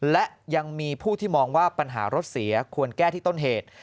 และยังมีผู้ที่มองว่าปัญหารถเสียควรแก้ที่ต้นเหตุ